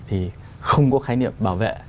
thì không có khái niệm bảo vệ